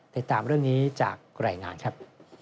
ติดตามเรื่องนี้จากรายงานครับ